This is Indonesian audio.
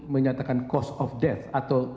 menyatakan cost of death atau